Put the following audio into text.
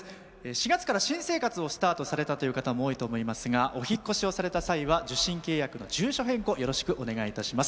４月から新生活をスタートされた方も多いと思いますがお引っ越しをされた際は受信契約の住所変更よろしくお願いいたします。